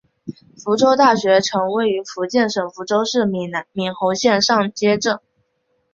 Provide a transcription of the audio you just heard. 福州大学城位于福建省福州市闽侯县上街镇。